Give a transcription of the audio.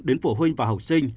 đến phụ huynh và học sinh